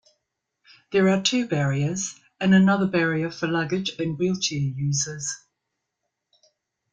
There are two barriers, and another barrier for luggage and wheelchair users.